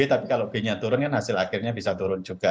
tapi kalau b nya turun kan hasil akhirnya bisa turun juga